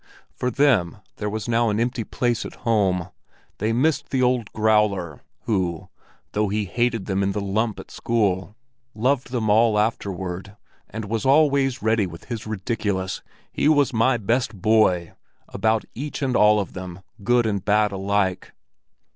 For them there was now an empty place at home; they missed the old growler, who, though he hated them all in the lump at school, loved them all afterward, and was always ready with his ridiculous "He was my best boy!" about each and all of them, good and bad alike.